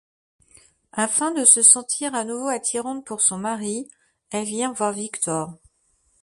Afin de se sentir à nouveau attirante pour son mari, elle vient voir Victor.